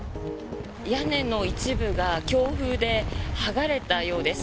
屋根の一部が強風で剥がれたようです。